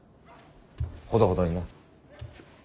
ほどほどにな。